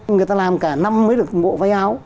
người ta làm cả năm mới được bộ váy áo